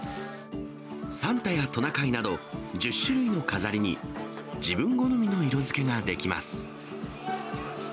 サンタやトナカイなど、１０種類の飾りに、自分好みの色づけができます。